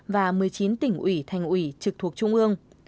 và một mươi chín tỉnh ủy thành ủy trực thuộc trung ương